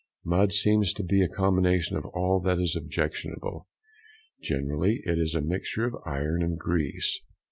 Mud seems to be a combination of all that is objectionable, generally it is a mixture of iron and grease.